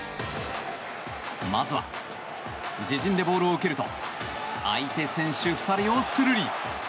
まずは自陣でボールを受けると相手選手２人をするり。